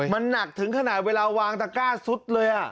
มันหนักถึงขนาดเวลาวางตะก้าซุดเลย